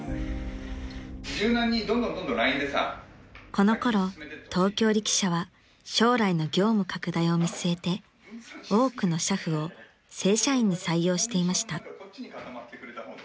［このころ東京力車は将来の業務拡大を見据えて多くの俥夫を正社員に採用していました］